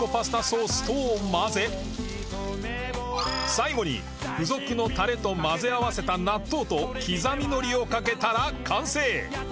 最後に付属のたれと混ぜ合わせた納豆と刻みのりをかけたら完成